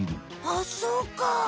あっそうか！